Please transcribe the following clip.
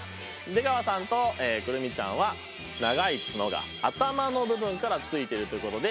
出川さんと来泉ちゃんは長い角が頭の部分から付いているということで１０